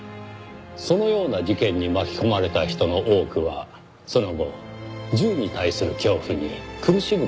そのような事件に巻き込まれた人の多くはその後銃に対する恐怖に苦しむ事になります。